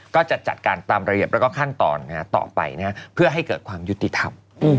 ก็จะจัดการตามระเบียบแล้วก็ขั้นตอนต่อไปเพื่อให้เกิดความยุติธรรม